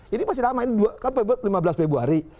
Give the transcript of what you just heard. ini masih lama kan lima belas februari